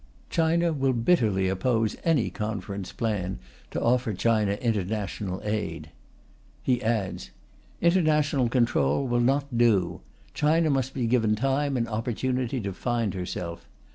China will bitterly oppose any Conference plan to offer China international aid." He adds: "International control will not do. China must be given time and opportunity to find herself.